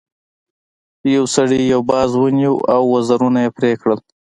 یو سړي یو باز ونیو او وزرونه یې پرې کړل.